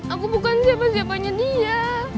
aku bukan siapa siapanya dia